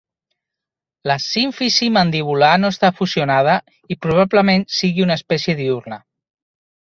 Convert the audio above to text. La símfisi mandibular no està fusionada i probablement sigui una espècie diürna.